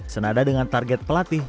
senada dengan target pelatih